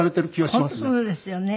本当そうですよね。